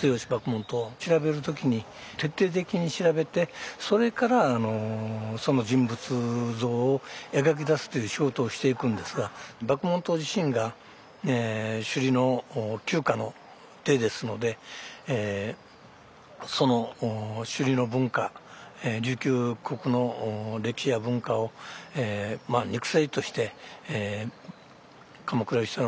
末吉麦門冬は調べる時に徹底的に調べてそれからその人物像を描き出すという仕事をしていくんですが麦門冬自身が首里の旧家の出ですのでその首里の文化琉球国の歴史や文化を肉声として鎌倉芳太郎に教えていく。